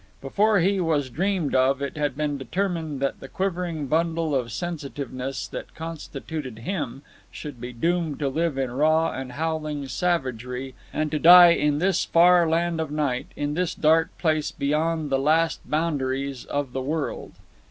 Before he was dreamed of, it had been determined that the quivering bundle of sensitiveness that constituted him should be doomed to live in raw and howling savagery, and to die in this far land of night, in this dark place beyond the last boundaries of the world.